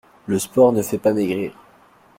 Le sport ne fait pas maigrir.